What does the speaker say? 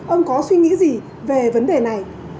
ông có suy nghĩ gì về vấn đề này